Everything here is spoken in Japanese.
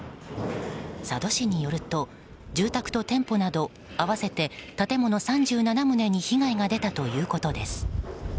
佐渡市によると住宅と店舗など合わせて建物３７棟に被害が出たということです。